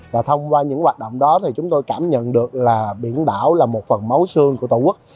và thông qua những hoạt động đó thì chúng tôi cảm nhận được là biển đảo là một phần máu xương của tổ quốc